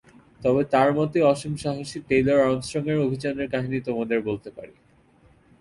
তবে তার মতোই অসীম সাহসী টেইলর আর্মস্ট্রংয়ের অভিযানের কাহিনি তোমাদের বলতে পারি।